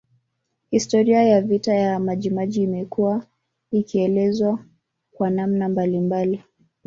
Historia ya vita ya Majimaji imekuwa ikielezwa kwa namna mbalimbali